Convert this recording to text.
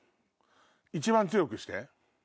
一番強くして。